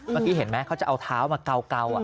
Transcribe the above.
เมื่อกี้เห็นไหมเขาจะเอาเท้ามาเกา